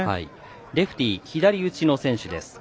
レフティ左打ちの選手です。